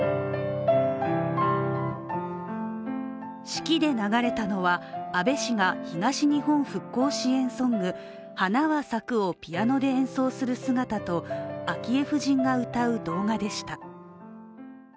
式で流れたのは、安倍氏が東日本復興支援ソング「花は咲く」をピアノで演奏する姿と昭恵夫人が歌う動画でした。